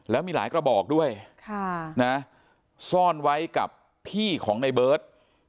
แล้วมีหลายกระบอกด้วยซ่อนไว้กับพี่ของในเบิร์ต